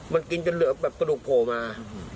มันกินจนเหลือแบบกระดูกโผล่มา